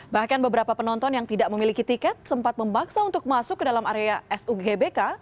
bahkan beberapa penonton yang tidak memiliki tiket sempat memaksa untuk masuk ke dalam area sugbk